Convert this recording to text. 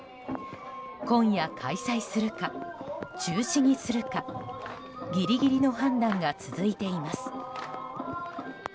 今夜開催するか中止にするかギリギリの判断が続いています。